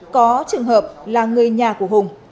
có trường hợp là người nhà của hùng